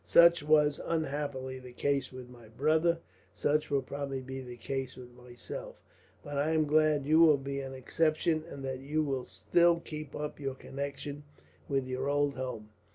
Such was, unhappily, the case with my brother; such will probably be the case with myself; but I am glad that you will be an exception, and that you will still keep up your connection with your old home.